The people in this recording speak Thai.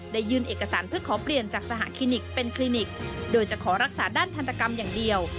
ยื่นเอกสารเพื่อขอเปลี่ยนจากสหคลินิกเป็นคลินิกโดยจะขอรักษาด้านทันตกรรมอย่างเดียว